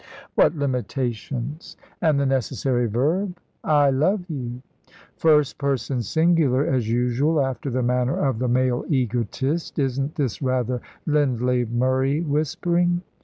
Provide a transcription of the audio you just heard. "What limitations! And the necessary verb?" "I love you." "First person singular, as usual, after the manner of the male egotist. Isn't this rather Lindley Murray whispering?"